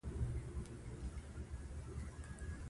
ډېر ناروغان د لارښود له مخې تمرین کوي.